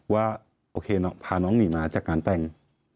ว่าโอเคพาน้องหนีมาจากการแต่ง